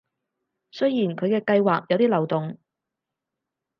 雖然佢嘅計畫有啲漏洞